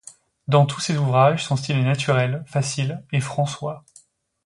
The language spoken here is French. Dans tous ses ouvrages son style est naturel, facile, & françois.